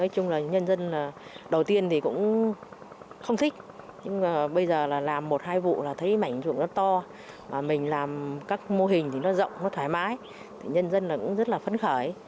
các mô hình thì nó rộng nó thoải mái nhân dân cũng rất là phấn khởi